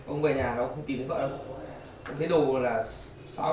ông về nhà nó không tìm thấy vợ đâu